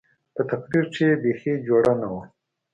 په تقرير کښې يې بيخي جوړه نه وه.